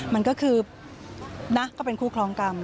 มันก็คือนะก็เป็นคู่คล้องกรรม